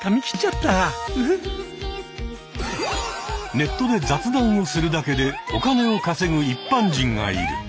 ネットで雑談をするだけでお金を稼ぐ一般人がいる。